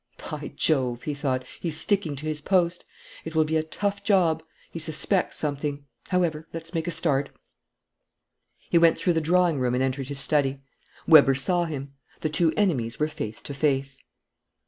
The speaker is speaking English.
"By Jove!" he thought, "he's sticking to his post. It will be a tough job. He suspects something. However, let's make a start!" He went through the drawing room and entered his study. Weber saw him. The two enemies were face to face.